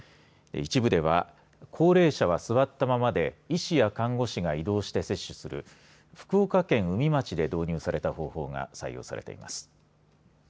一部では高齢者は座ったままで医師や看護師が移動して接種する福岡県宇美町で導入された方法が採用されています。